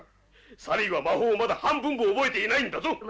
サリーは魔法をまだ半分も覚えていないんだぞ！